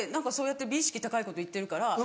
そうやって美意識高いこと言ってるから。